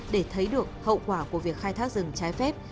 để thấy được hậu quả của việc khai thác rừng trái phép